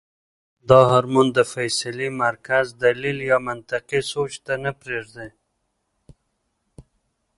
دا هارمون د فېصلې مرکز دليل يا منطقي سوچ ته نۀ پرېږدي -